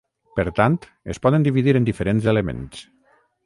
Per tant, es poden dividir en diferents elements.